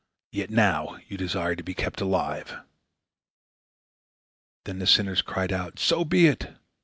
Yet now you desire to be kept alive!" Then the sinners cried out: "So be it!